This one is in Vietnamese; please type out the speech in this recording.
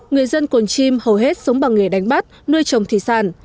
người dân cồn chim hầu hết sống bằng nghề đánh bắt nuôi chồng thị sản